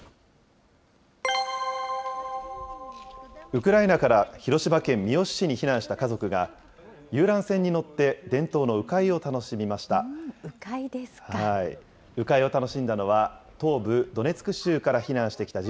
ウクライナから広島県三次市に避難した家族が、遊覧船に乗って、伝統の鵜飼いを楽しみました。